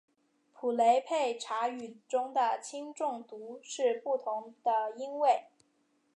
普雷佩查语中的轻重读是不同的音位。